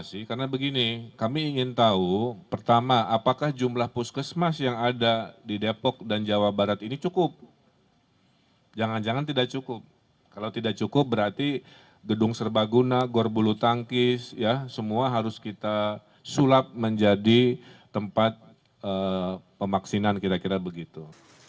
semua harus kita sulap menjadi tempat pemaksinan kira kira begitu